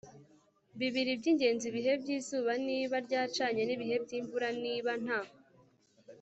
bibiri by'ingenzi ibihe by'izuba niba ryacanye n'ibihe by'imvura niba nta